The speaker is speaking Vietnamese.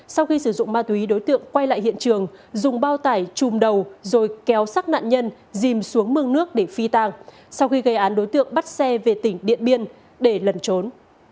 sau khi sử dụng ma túy đối tượng quay lại hiện trường dùng bao tải trùm đầu rồi kéo sát nạn nhân dìm xuống mương nước để phi tàng sau khi gây án đối tượng bắt xe về tỉnh điện biên để lần trốn